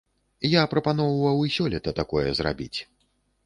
Я прапаноўваў і сёлета такое зрабіць.